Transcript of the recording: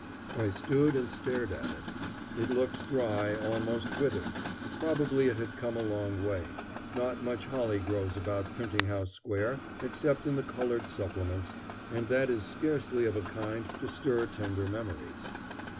I stood, and stared at it. It looked dry, almost withered. Probably it had come a long way. Not much holly grows about Printing House Square, except in the colored supplements, and that is scarcely of a kind to stir tender memories.